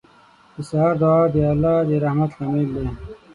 • د سهار دعا د الله د رحمت لامل دی.